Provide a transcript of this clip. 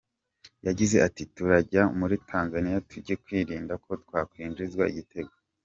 Yagize ati “Turajya muri Tanzaniya tugiye kwirinda ko twakwinjizwa igitego.